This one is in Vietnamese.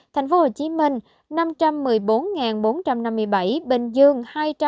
thành phố hồ chí minh năm trăm một mươi bốn bốn trăm năm mươi bảy bình dương hai trăm chín mươi hai chín trăm sáu mươi bảy